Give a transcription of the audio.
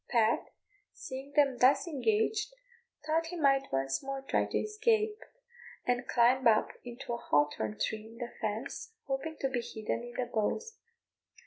Pat, seeing them thus engaged, thought he might once more try to escape, and climbed up into a hawthorn tree in the fence, hoping to be hidden in the boughs.